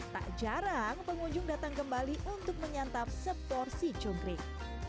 tak jarang pengunjung datang kembali untuk menyantap seporsi cungkrik